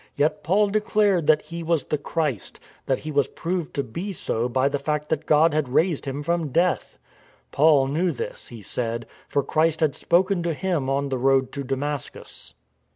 Yet Paul declared that He was the Christ, that He was proved to be so by the fact that God had raised Him from death. Paul knew this (he said), for Christ had spoken to him on the road to Damascus.